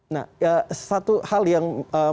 nah satu hal yang